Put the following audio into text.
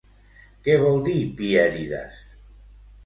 Què vol dir Pièrides?